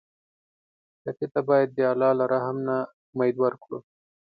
ټپي ته باید د الله له رحم نه امید ورکړو.